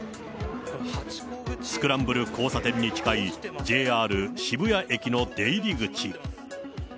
スクランブル交差点に近いＪＲ渋谷駅の出入り口。